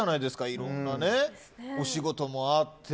いろんなお仕事もあって。